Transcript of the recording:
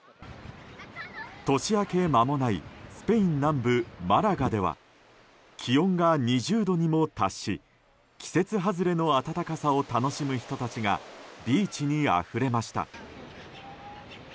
年明け間もないスペイン南部マラガでは気温が２０度にも達し季節外れの暖かさを楽しむ人たちがビーチにあふれました。